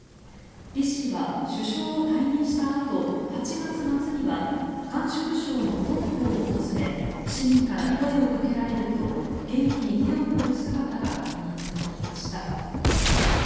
李氏は首相を退任したあと８月末には甘粛省の敦煌を訪れ市民から声をかけられると元気に手を振る姿が確認されていました。